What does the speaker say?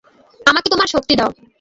আমাকে তোমার শক্তি দাও।